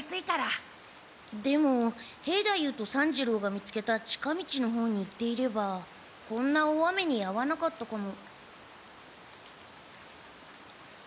でも兵太夫と三治郎が見つけた近道の方に行っていればこんな大雨にあわなかったかも。